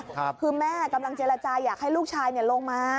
คือแม่กำลังเจรจาอยากให้ลูกชายลงมา